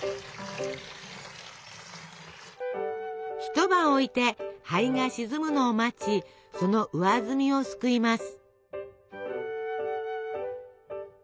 一晩置いて灰が沈むのを待ちその上澄みをすくいます。